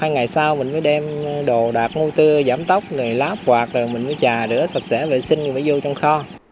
một hai ngày sau mình mới đem đồ đạp ngôi tư giảm tóc láp quạt chà rửa sạch sẽ vệ sinh mới vô trong kho